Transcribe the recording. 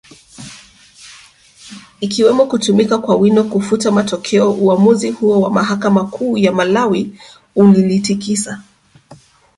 ikiwemo kutumika kwa wino kufuta matokeo Uamuzi huo wa mahakama kuu ya Malawi ulilitikisa